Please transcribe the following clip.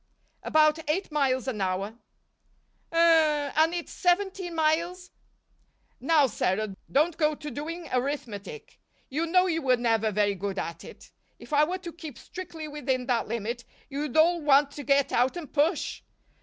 "About eight miles an hour." "Hum and it's seventeen miles " "Now, Sarah, don't go to doing arithmetic you know you were never very good at it. If I were to keep strictly within that limit you'd all want to get out and push.